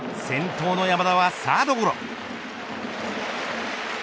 先頭の山田はサードゴロ。